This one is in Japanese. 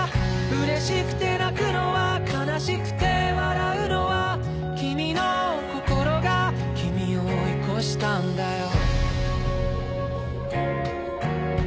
嬉しくて泣くのは悲しくて笑うのは君の心が君を追い越したんだよ